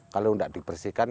kalau tidak dipersihkan